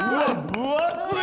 分厚い。